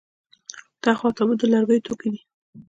تخت او تابوت د لرګیو توکي دي